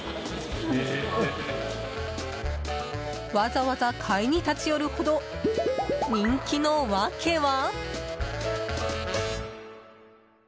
わざわざ買いに立ち寄るほど人気の訳は？